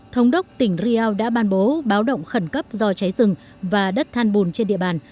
thống đốc tỉnh riau đã ban bố báo động khẩn cấp do cháy rừng và đất than bùn trên địa bàn